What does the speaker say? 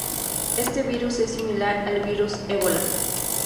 Este virus es similar al virus Ébola.